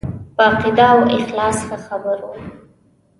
په عقیده او اخلاص ښه خبر وو.